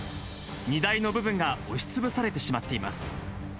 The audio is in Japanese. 荷台の部分が押しつぶされてしまっています。